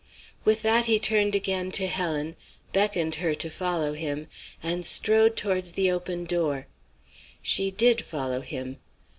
"With that he turned again to Helen, beckoned her to follow him, and strode towards the open door. She did follow him.